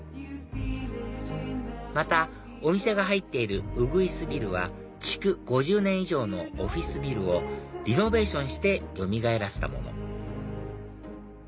またお店が入っているウグイスビルは築５０年以上のオフィスビルをリノベーションしてよみがえらせたもの